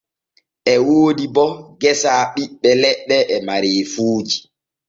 O woodi bo geesa ɓiɓɓe leɗɗe e mareefuuji.